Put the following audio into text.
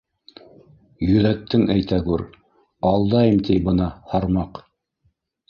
Йөҙәттең әйтәгүр..Алдайым ти бына, һармаҡ.